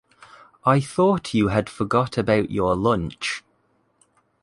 I thought you had forgot about your lunch.